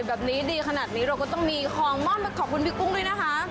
แบบนี้ดีขนาดนี้เราก็ต้องมีของมอบมาขอบคุณพี่กุ้งด้วยนะคะ